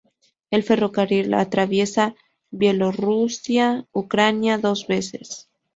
El ferrocarril atraviesa Bielorrusia-Ucrania dos veces.